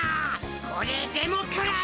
これでも食らえ！